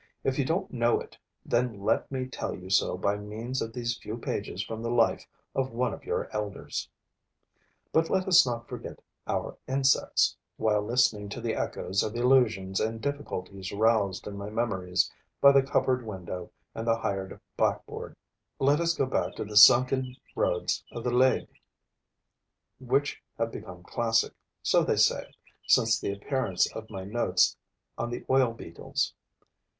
If you don't know it, then let me tell you so by means of these few pages from the life of one of your elders. But let us not forget our insects, while listening to the echoes of illusions and difficulties roused in my memories by the cupboard window and the hired blackboard. Let us go back to the sunken roads of the Legue, which have become classic, so they say, since the appearance of my notes on the Oil beetles.